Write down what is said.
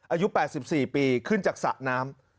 อายุ๘๔ปีขึ้นจากสระน้ำ